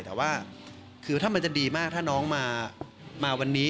แต่ว่าคือถ้ามันจะดีมากถ้าน้องมาวันนี้